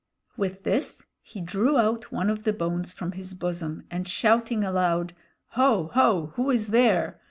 With this he drew out one of the bones from his bosom, and shouting aloud, "Ho! ho! who is there?"